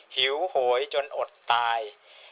หิวโหยจนอดตาย